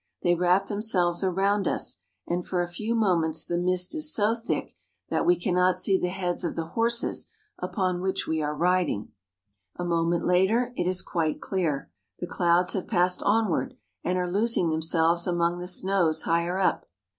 They wrap themselves around us ; and for a few moments the mist is so thick that we cannot see the heads of the horses upon which we are rid ing. A moment later it is quite clear. The clouds have passed onward, and are losing themselves among the snows higher up.